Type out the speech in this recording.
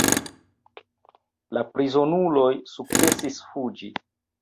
La prizonuloj sukcesis fuĝi.